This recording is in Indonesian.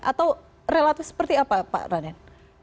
atau relatif seperti apa pak raden